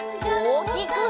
おおきく！